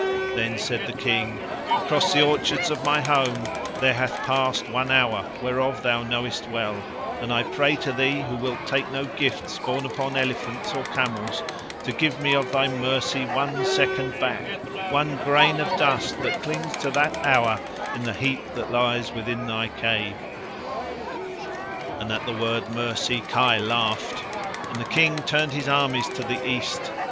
Then said the King: "Across the orchards of my home there hath passed one hour whereof thou knowest well, and I pray to thee, who wilt take no gifts borne upon elephants or camels, to give me of thy mercy one second back, one grain of dust that clings to that hour in the heap that lies within thy cave." And, at the word mercy, Kai laughed. And the King turned his armies to the east.